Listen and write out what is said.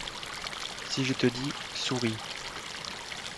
Si je te dis «souris.